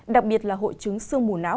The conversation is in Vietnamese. đặc biệt là hội chứng sương mù não